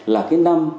là cái năm